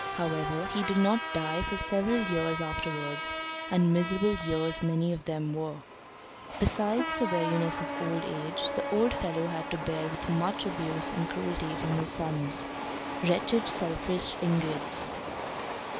However, he did not die for several years afterwards; and miserable years many of them were. Besides the weariness of old age, the old fellow had to bear with much abuse and cruelty from his sons. Wretched, selfish ingrates!